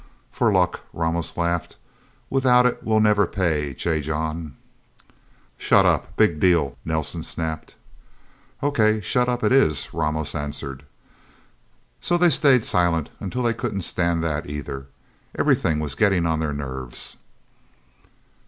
"For luck," Ramos laughed. "Without it we'll never pay J. John." "Shut up. Big deal," Nelsen snapped. "Okay. Shut up it is!" Ramos answered him. So they stayed silent until they couldn't stand that, either. Everything was getting on their nerves.